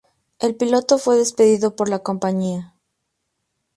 El piloto fue despedido por la compañía.